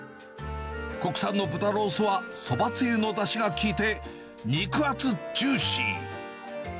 国産の豚ロースは、そばつゆのだしが効いて、肉厚、ジューシー。